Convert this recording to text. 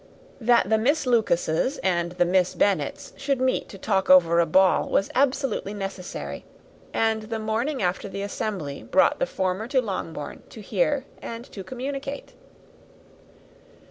That the Miss Lucases and the Miss Bennets should meet to talk over a ball was absolutely necessary; and the morning after the assembly brought the former to Longbourn to hear and to communicate.